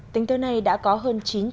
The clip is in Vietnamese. tính tới nay đã có hơn